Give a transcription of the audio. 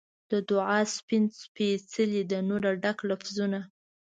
د دعا سپین سپیڅلي د نوره ډک لفظونه